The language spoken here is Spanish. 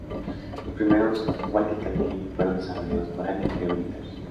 Los primeros walkie-talkie fueron desarrollados para el empleo militar.